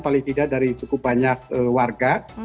paling tidak dari cukup banyak warga